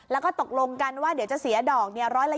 แล้วก็ตกลงกันว่าเดี๋ยวจะเสียดอก